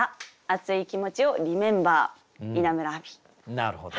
なるほど。